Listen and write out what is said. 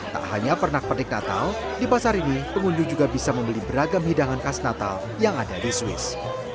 tak hanya pernak pernik natal di pasar ini pengunjung juga bisa membeli beragam hidangan khas natal yang ada di swiss